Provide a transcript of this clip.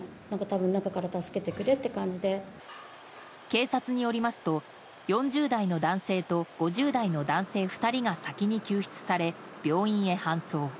警察によりますと４０代の男性と５０代の男性２人が先に救出され病院へ搬送。